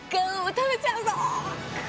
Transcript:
食べちゃうぞ！